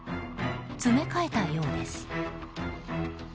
詰め替えたようです。